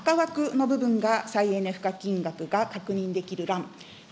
赤枠の部分が再エネ賦課金額が確認できる欄。